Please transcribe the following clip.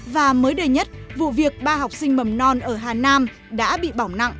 và mới đầy nhất vụ việc ba học sinh mầm non ở hà nam đã bị bỏng nặng